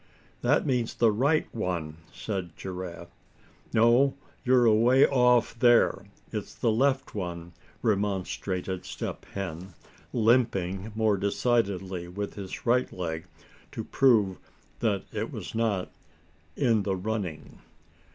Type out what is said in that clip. "That means the right one," said Giraffe. "No, you're away off there; it's the left one," remonstrated Step Hen, limping more decidedly with his right leg to prove that it was not "in the running."